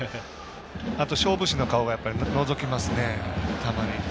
あと勝負師の顔がのぞきますね、たまに。